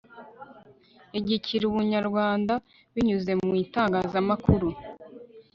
igikira ubunyarwanda binyuze mu itangazamakuru